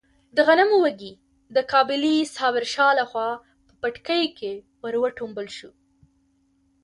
د غنمو وږی د کابلي صابر شاه لخوا په پټکي کې ور وټومبل شو.